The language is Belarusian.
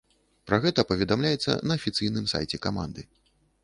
Пра гэта паведамляецца на афіцыйным сайце каманды.